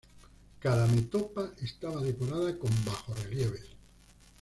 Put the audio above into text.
Cada metopa estaba decorada con bajorrelieves.